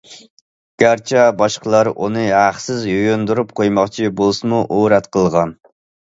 گەرچە باشقىلار ئۇنى ھەقسىز يۇيۇندۇرۇپ قويماقچى بولسىمۇ، ئۇ رەت قىلغان.